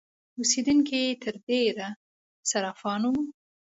اوسېدونکي یې تر ډېره سرفیان وو.